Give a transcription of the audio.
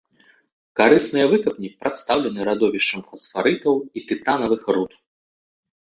Карысныя выкапні прадстаўлены радовішчамі фасфарытаў і тытанавых руд.